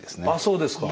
そうですか。